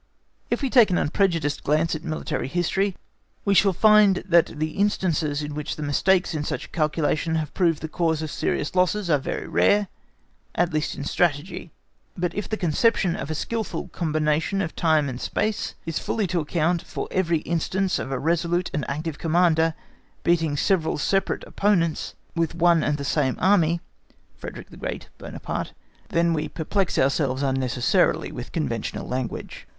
If we take an unprejudiced glance at military history, we shall find that the instances in which mistakes in such a calculation have proved the cause of serious losses are very rare, at least in Strategy. But if the conception of a skilful combination of time and space is fully to account for every instance of a resolute and active Commander beating several separate opponents with one and the same army (Frederick the Great, Buonaparte), then we perplex ourselves unnecessarily with conventional language.